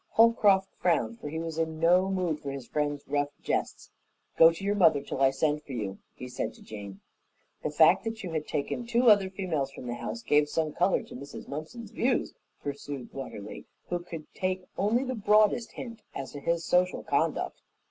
Holcroft frowned, for he was in no mood for his friend's rough jests. "Go to your mother till I send for you," he said to Jane. "The fact that you had taken two other females from the house gave some color to Mrs. Mumpson's views," pursued Watterly, who could take only the broadest hint as to his social conduct.